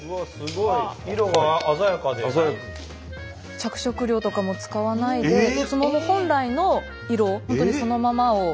着色料とかも使わないですもも本来の色本当にそのままを。